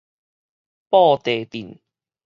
布袋鎮